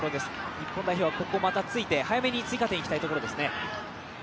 日本代表はここをまた突いて、早めに追加点、いきたいところですね。